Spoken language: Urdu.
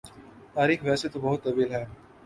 تاریخ ویسے تو بہت طویل ہے